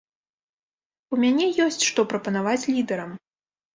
У мяне ёсць што прапанаваць лідарам.